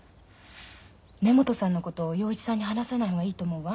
根本さんのこと洋一さんに話さない方がいいと思うわ。